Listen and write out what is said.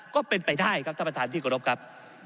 ก็เป็นไปได้ครับท่านประธานที่กรบครับ